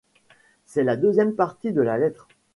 C'est la deuxième partie de la lettre.